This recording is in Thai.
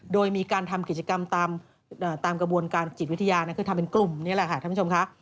โดยมีการทำกิจกรรมตามกระบวนการจิตวิทยาคือทำเป็นกลุ่มนี่แหละค่ะท่านผู้ชมค่ะ